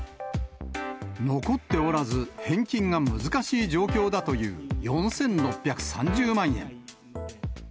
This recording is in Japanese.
残っておらず、返金が難しい状況だという４６３０万円。